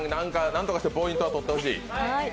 なんとかしてポイントは取ってほしい。